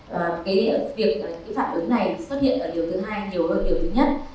việc phản ứng này xuất hiện ở điều thứ hai nhiều hơn điều thứ nhất